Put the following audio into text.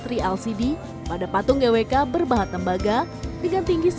pada puncak acara ditampilkan video mapping atau penerapan proyektor laser berkekuatan tinggi tingkat teknologi tiga lcd